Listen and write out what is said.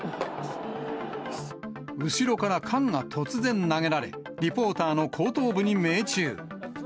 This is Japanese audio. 後ろから缶が突然、投げられ、リポーターの後頭部に命中。